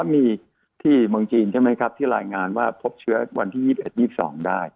มีที่เมืองจีนที่รายงานว่าพบเชื้อวันที่๒๑๒๒ได้